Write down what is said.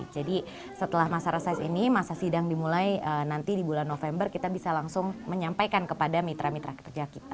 jadi setelah masa reses ini masa sidang dimulai nanti di bulan november kita bisa langsung menyampaikan kepada mitra mitra kerja kita